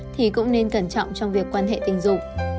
thì cũng nên cẩn trọng trong việc quan hệ tình dục